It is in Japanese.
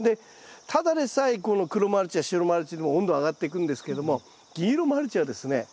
ただでさえこの黒マルチや白マルチでも温度が上がっていくんですけども銀色マルチはですね